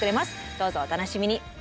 どうぞお楽しみに。